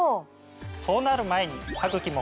そうなる前に。